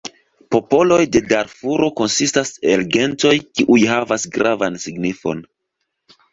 Popoloj de Darfuro konsistas el gentoj, kiuj havas gravan signifon.